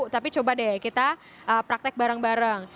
tapi coba deh kita praktek bareng bareng